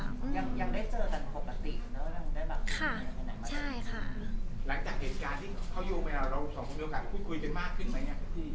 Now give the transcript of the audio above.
หลังจากเหตุการณ์ที่เข้าโยงไปเราสองคนมีโอกาสคุยเป็นมากขึ้นไหม